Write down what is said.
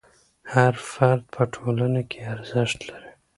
هر فرد په ټولنه کې ارزښت لري.